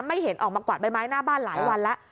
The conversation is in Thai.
ไม่เห็นออกมากวาดใบไม้หน้าบ้านหลายวันแล้ว